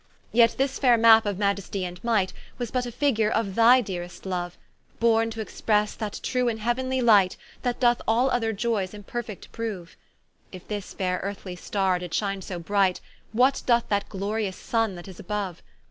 Yet this faire map of maiestie and might, Was but a figure of thy deerest Loue, Borne t'expresse that true and heauenly light, That doth all other joyes imperfect proue; If this faire Earthly starre did shine so bright, What doth that glorious Sonne that is aboue?